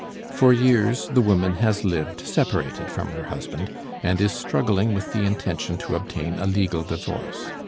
For years the woman has lived separated from her husband and is struggling with the intention to obtain a legal divorce.